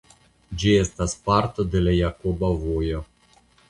Ĝi estas parto de la Jakoba Vojo.